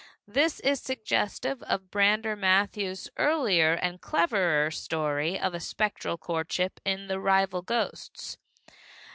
This is suggestive of Brander Matthews's earlier and cleverer story of a spectral courtship, in The Rival Ghosts.